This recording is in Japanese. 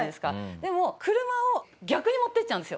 でも車を逆に持っていっちゃうんですよ。